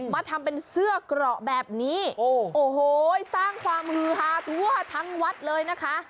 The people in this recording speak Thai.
มาทำเป็นเสื้อเกราะแบบนี้โอ้โหสร้างความฮือฮาทั่วทั้งวัดเลยนะคะ